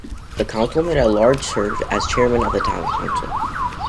The councilman at large served as chairman of the town council.